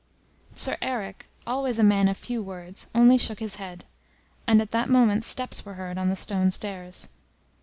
Sir Eric, always a man of few words, only shook his head, and at that moment steps were heard on the stone stairs.